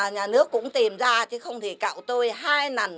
nhà nước cũng tìm ra chứ không thì cạo tôi hai lần